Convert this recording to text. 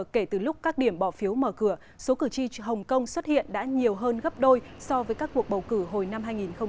kể từ lúc các điểm bỏ phiếu mở cửa số cử tri hồng kông xuất hiện đã nhiều hơn gấp đôi so với các cuộc bầu cử hồi năm hai nghìn một mươi năm